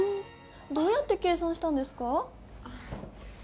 どうやって計算したんですか？